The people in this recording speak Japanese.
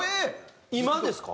今ですか？